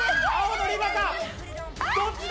⁉どっちだ？